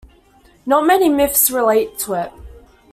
Not many myths relate to it.